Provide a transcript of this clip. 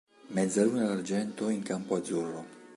Mezzaluna d'argento in campo azzurro.